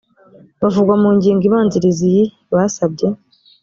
bavugwa mu ngingo ibanziriza iyi basabye